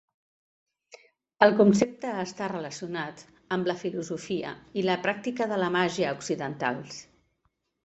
El concepte està relacionat amb la filosofia i la pràctica de la màgia occidentals.